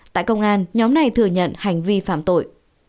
tại công an nhóm này thừa nhận hành vi phạm tội